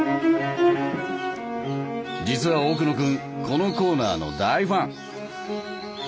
実は奥野君このコーナーの大ファン！